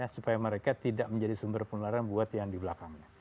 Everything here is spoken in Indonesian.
supaya mereka tidak menjadi sumber penularan buat yang di belakangnya